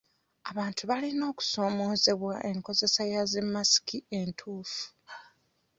Abantu balina okusomesebwa enkozesa ya zi masiki entuufu.